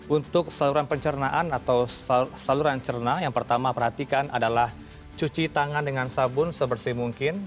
untuk saluran pencernaan atau saluran cerna yang pertama perhatikan adalah cuci tangan dengan sabun sebersih mungkin